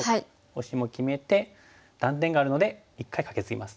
オシも決めて断点があるので一回カケツギます。